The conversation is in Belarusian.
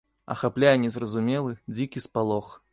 Ахапляе незразумелы, дзікі спалох.